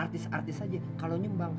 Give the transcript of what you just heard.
artis artis saja kalau nyumbang